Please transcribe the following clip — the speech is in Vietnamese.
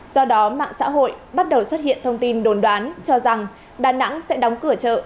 do đó mạng xã hội bắt đầu xuất hiện thông tin đồn đoán cho rằng đà nẵng sẽ đóng cửa chợ